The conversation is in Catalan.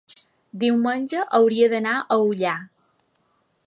diumenge hauria d'anar a Ullà.